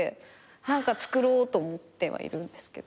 何かつくろうと思ってはいるんですけど。